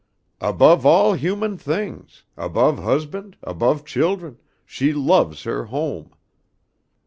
Above all human things, above husband, above children, she loves her home.